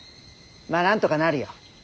まあなんとかなるよ。